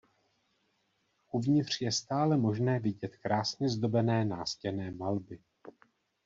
Uvnitř je stále možné vidět krásně zdobené nástěnné malby.